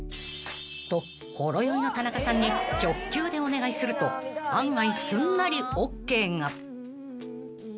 ［とほろ酔いの田中さんに直球でお願いすると案外すんなりＯＫが］